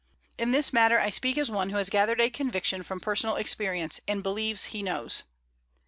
In this matter I speak as one who has gathered a conviction from personal experience, and believes he knows.